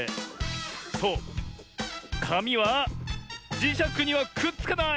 そうかみはじしゃくにはくっつかない！